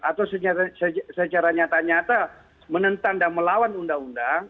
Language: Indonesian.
atau secara nyata nyata menentang dan melawan undang undang